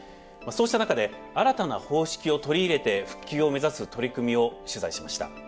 そうした中で新たな方式を取り入れて復旧を目指す取り組みを取材しました。